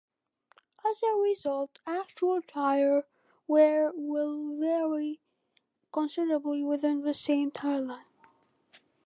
As a result, actual tire wear will vary considerably within the same tire line.